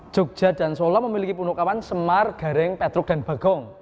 jogja dan solo memiliki punokawan semar gareng petruk dan bagong